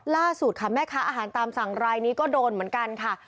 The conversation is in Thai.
ล่าสุดค่ะแม่ค้าอาหารตามสั่งรายนี้ก็โดนเหมือนกันค่ะ